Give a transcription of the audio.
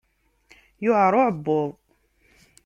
Yewɛer uɛebbuḍ.